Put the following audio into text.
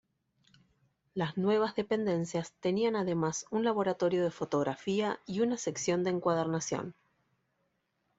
Las nuevas dependencias tenían además un laboratorio de fotografía y una sección de encuadernación.